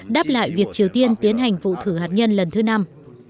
đáp lại việc triều tiên tiến hành vụ thử hạt nhân lần thứ năm